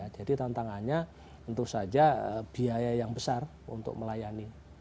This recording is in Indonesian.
jadi tantangannya tentu saja biaya yang besar untuk melayani